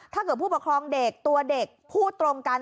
ถ้าเกิดผู้ประคองเด็กตัวเด็กพูดตรงกัน